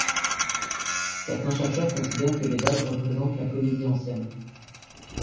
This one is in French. Certains chercheurs considèrent que les vases représentent la comédie ancienne.